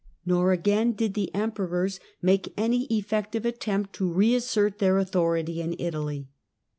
Nor, again, did the emperors make any effective attempt to reassert their authority in Italy.